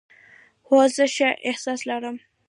هو، زه ښه احساس لرم